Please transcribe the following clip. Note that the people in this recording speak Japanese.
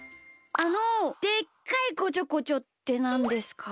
あの「でっかいこちょこちょ」ってなんですか？